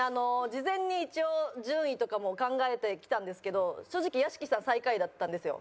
事前に一応順位とかも考えてきたんですけど正直屋敷さん最下位だったんですよ。